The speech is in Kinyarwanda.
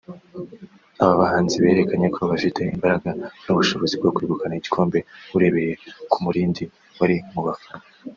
Aba bahanzi berekanye ko bafite imbaraga n’ubushobozi bwo kwegukana igikombe urebeye ku murindi wari mu bafana